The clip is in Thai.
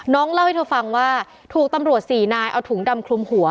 เล่าให้เธอฟังว่าถูกตำรวจสี่นายเอาถุงดำคลุมหัว